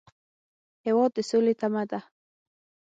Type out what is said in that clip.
هېواد د سولې تمه ده.